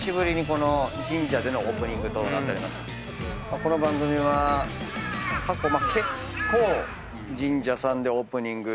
この番組は過去結構神社さんでオープニング。